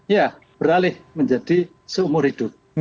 ya beralih menjadi seumur hidup